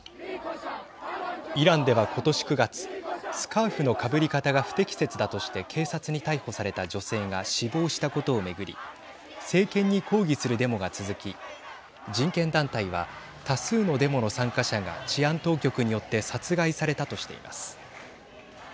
イランでは今年９月スカーフのかぶり方が不適切だとして警察に逮捕された女性が死亡したことを巡り政権に抗議するデモが続き人権団体は多数のデモの参加者が治安当局によって殺害されたとしています。